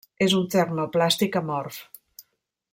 És un termoplàstic amorf.